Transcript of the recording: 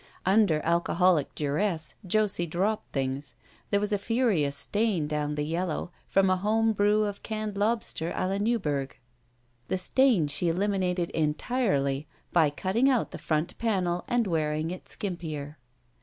Under alcoholic duress Josie dropped things. There was a furious stain down the yellow, from a home brew of canned lobster ^ la Newburg. The stain she eliminated entirely by cutting out the front panel and wearing it skknpier.